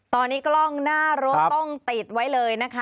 ตอนนี้กล้องหน้ารถต้องติดไว้เลยนะคะ